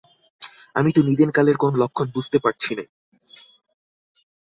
আমি তো নিদেন-কালের কোনো লক্ষণ বুঝতে পারছি নে।